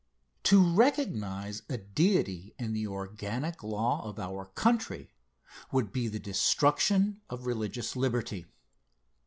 To recognize a Deity in the organic law of our country would be the destruction of religious liberty.